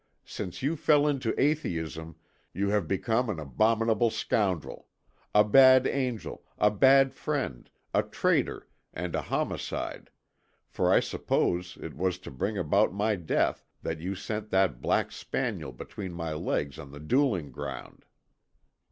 Since you fell into atheism, you have become an abominable scoundrel. A bad angel, a bad friend, a traitor, and a homicide, for I suppose it was to bring about my death that you sent that black spaniel between my legs on the duelling ground."